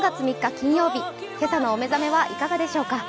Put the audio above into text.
金曜日今朝のお目覚めはいかがでしょうか。